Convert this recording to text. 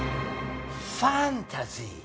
ファンタジー。